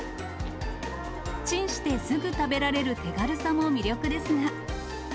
チンしてすぐ食べられる手軽さも魅力ですが。